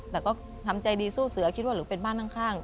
แต่ก็ทำใจดีสู้เสือคิดว่าหนูเป็นบ้านข้าง